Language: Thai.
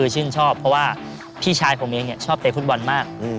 ชื่นชอบเพราะว่าพี่ชายผมเองชอบเตะฟุตบอลมาก